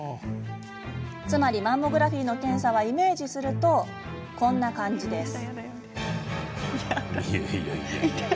つまりマンモグラフィーの検査はイメージすると、こんな感じです。